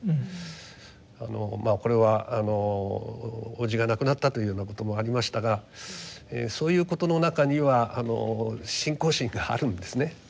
まあこれは叔父が亡くなったというようなこともありましたがそういうことの中には信仰心があるんですね。